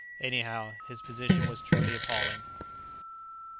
Anyhow, his position was truly appalling.